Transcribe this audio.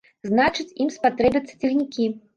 Значыць, ім спатрэбяцца цягнікі.